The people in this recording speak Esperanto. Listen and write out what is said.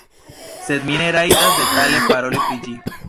Sed mi ne rajtas detale paroli pri ĝi.